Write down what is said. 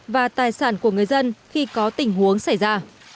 và tài sản của người dân khi có tình huống xảy ra